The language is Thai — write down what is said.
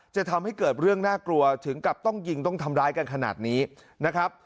จะทำให้เกิดเรื่องน่ากลัวถึงกับต้องยิงต้องทำร้ายกันขนาดนี้นะครับ